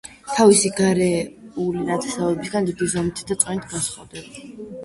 თავისი გარეული ნათესავებისაგან დიდი ზომითა და წონით განსხვავდება.